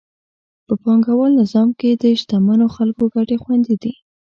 په پانګوال نظام کې د شتمنو خلکو ګټې خوندي دي.